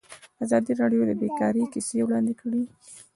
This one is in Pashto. ازادي راډیو د بیکاري کیسې وړاندې کړي.